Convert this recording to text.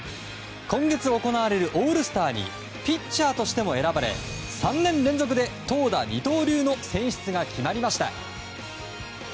今月行われるオールスターにピッチャーとしても選ばれ３年連続で投打二刀流の選出が決まりました。